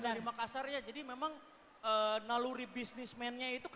dan mereka sudah menggunakan produk